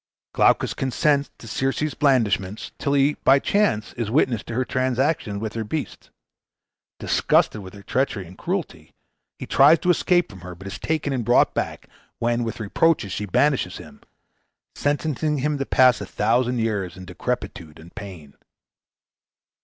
Glaucus consents to Circe's blandishments, till he by chance is witness to her transactions with her beasts. Disgusted with her treachery and cruelty, he tries to escape from her, but is taken and brought back, when with reproaches she banishes him, sentencing him to pass a thousand years in decrepitude and pain.